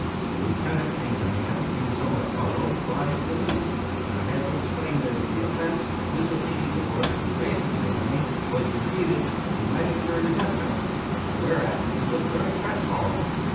The Lieutenant in command, being somewhat puzzled, brought him to me, and I had to explain that if the offence, disobedience of orders in face of the enemy, was repeated he might incur the death penalty; whereat he looked very crestfallen.